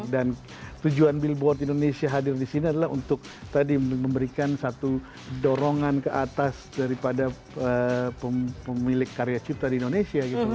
dan tujuan billboard indonesia hadir di sini adalah untuk memberikan satu dorongan ke atas daripada pemilik karya cipta di indonesia